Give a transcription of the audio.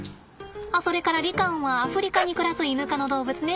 あっそれからリカオンはアフリカに暮らすイヌ科の動物ね。